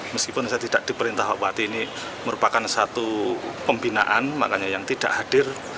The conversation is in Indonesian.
meskipun saya tidak diperintahkan ini merupakan satu pembinaan makanya yang tidak hadir